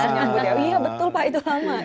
iya betul pak itu lama